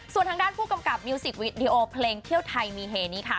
ส่วนทางด้านผู้กำกับมิวสิกวิดีโอเพลงเที่ยวไทยมีเฮนี้ค่ะ